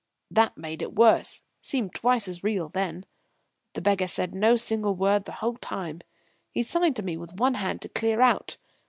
That made it worse seemed twice as real then. The beggar said no single word the whole time. He signed to me with one hand to clear out.